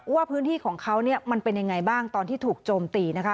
ว่าพื้นที่ของเขาเนี่ยมันเป็นยังไงบ้างตอนที่ถูกโจมตีนะคะ